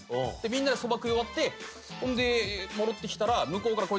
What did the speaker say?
みんなでそば食い終わってほんで戻ってきたら。